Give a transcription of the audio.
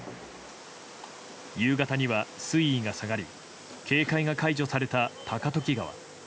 夕方には水位が下がり警戒が解除された高時川。